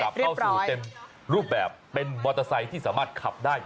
นี่ไงนี่มีงานขับกลับได้แล้ว